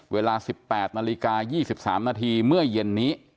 เวลา๑๘นาฬิกา๒๓นาทีเมื่อเย็นนี้